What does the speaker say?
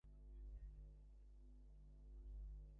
এসব দেখার পরই তাঁদের ঠিকানা সঠিক আছে বলে প্রতিবেদন দেওয়া হয়।